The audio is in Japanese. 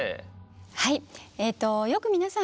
はいよく皆さん